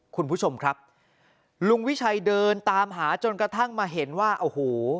คุณผู้ชมครับลุงวิชัยเดินตามหาจนกระทั่งมาเห็นว่าโอ้โห